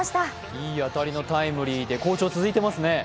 いい当たりのタイムリーで好調続いていますね。